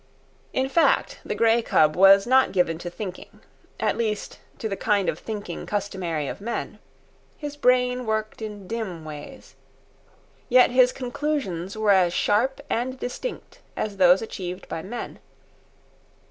In fact, the grey cub was not given to thinking—at least, to the kind of thinking customary of men. His brain worked in dim ways. Yet his conclusions were as sharp and distinct as those achieved by men.